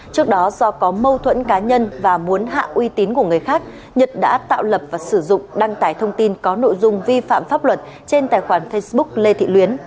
trước đó do có mâu thuẫn cá nhân và muốn hạ uy tín của người khác nhật đã tạo lập và sử dụng đăng tải thông tin có nội dung vi phạm pháp luật trên tài khoản facebook lê thị luyến